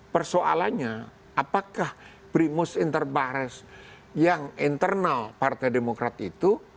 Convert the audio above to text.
persoalannya apakah primus interbares yang internal partai demokrat itu